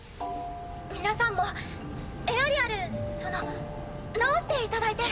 皆さんもエアリアルその直していただいて。